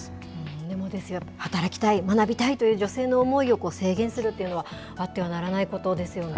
でも、働きたい、学びたいという女性の思いを制限するというのは、あってはならないことですよね。